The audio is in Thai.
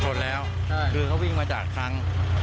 ชนแล้วคือเขาวิ่งมาจากครั้ง